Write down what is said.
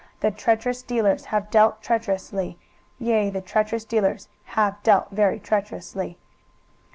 the treacherous dealers have dealt treacherously; yea, the treacherous dealers have dealt very treacherously.